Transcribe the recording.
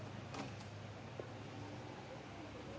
เมื่อเวลาเมื่อเวลาเมื่อเวลา